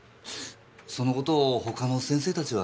その事を他の先生たちは？